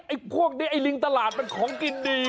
ไอ้พวกนี้ลิงตลาดมันของกินดี